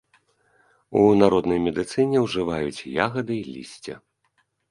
У народнай медыцыне ўжываюць ягады і лісце.